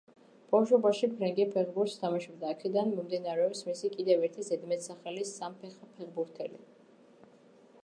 ბავშვობაში ფრენკი ფეხბურთს თამაშობდა, აქედან მომდინარეობს მისი კიდევ ერთი ზედმეტსახელი „სამფეხა ფეხბურთელი“.